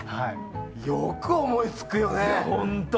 よく思いつくよね。